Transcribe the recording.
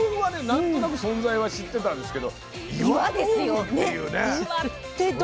何となく存在は知ってたんですけど岩豆腐っていうね。